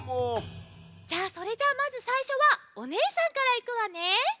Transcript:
それじゃあまずさいしょはおねえさんからいくわね。